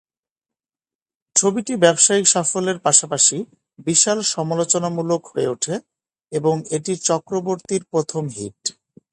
ছবিটি ব্যবসায়িক সাফল্যের পাশাপাশি বিশাল সমালোচনামূলক হয়ে ওঠে এবং এটি চক্রবর্তীর প্রথম হিট।